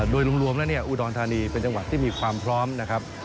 โดยรวมแล้วเนี่ยอุดรธานีเป็นจังหวัดที่มีความพร้อมนะครับ